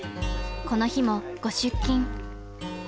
［この日もご出勤］